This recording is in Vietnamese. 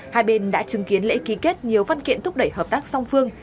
hai bên đã chứng kiến lễ ký kết nhiều văn kiện thúc đẩy hợp tác song phương